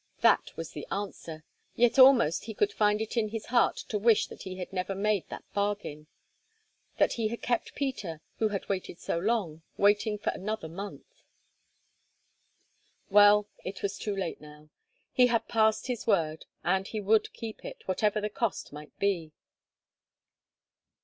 That was the answer. Yet almost he could find it in his heart to wish that he had never made that bargain; that he had kept Peter, who had waited so long, waiting for another month. Well, it was too late now. He had passed his word, and he would keep it, whatever the cost might be.